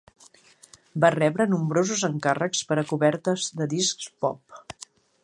Va rebre nombrosos encàrrecs per a cobertes de discs pop.